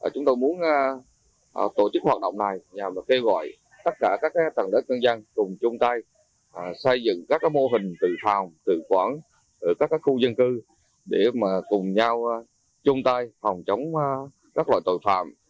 chúng tôi muốn tổ chức hoạt động này nhằm kêu gọi tất cả các tầng đất dân dân cùng chung tay xây dựng các mô hình tự phòng tự quản ở các khu dân cư để cùng nhau chung tay phòng chống các loại tội phạm